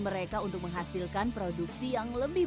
mereka butuh aksesoris yang lainnya